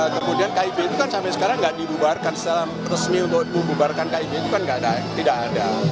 kemudian kib itu kan sampai sekarang nggak dibubarkan secara resmi untuk membubarkan kib itu kan tidak ada